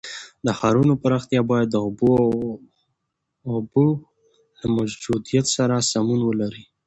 د ښارونو پراختیا باید د اوبو له موجودیت سره سمون ولري.